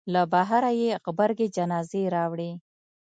له بهره یې غبرګې جنازې راوړې.